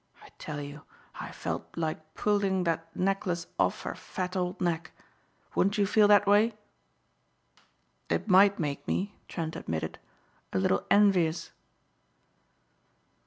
I tell you I felt like pulling that necklace off her fat old neck. Wouldn't you feel that way?" "It might make me," Trent admitted, "a little envious."